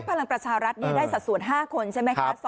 ภักดิ์พลังประชารัฐได้สัดส่วน๕คนใช่ไหมครับ